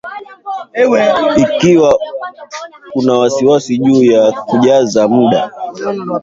Ikiwa una wasiwasi juu ya kujaza muda